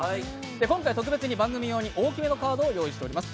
今回、特別に番組用に大きめのカードを用意しています。